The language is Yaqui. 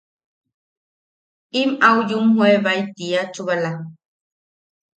Im au yumjoebae tiia chubala.